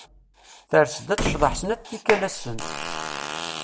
Ters-d ad tecḍeḥ snat tikal ass-n.